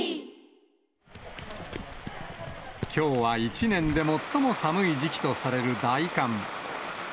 きょうは一年で最も寒い時期とされる大寒。